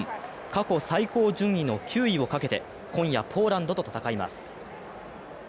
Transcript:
過去最高順位の９位をかけて今夜ポーランドと戦います。